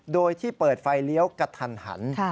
โดยที่เปิดไฟเลี้ยวกระทันหัน